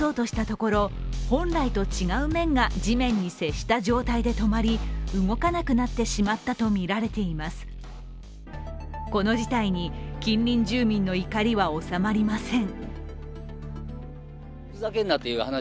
この事態に近隣住民の怒りは収まりません。